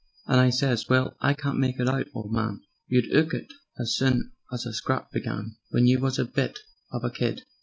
And I says: "Well, I can't make it out, old man; You'd 'ook it as soon as a scrap began, When you was a bit of a kid."